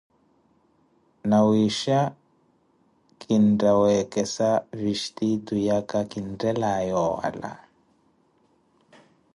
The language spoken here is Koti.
Nawiixa kintta wekesa vistiitu yaka kinttelaye owala.